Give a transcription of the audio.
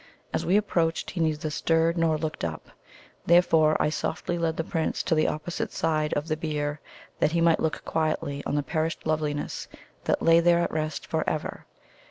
As we approached, he neither stirred nor looked up, therefore I softly led the Prince to the opposite side of the bier, that he might look quietly on the perished loveliness that lay there at rest for ever.